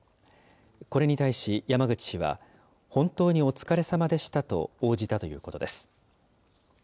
これに対し、山口氏は、本当にお疲れさまでしたと応じたということです。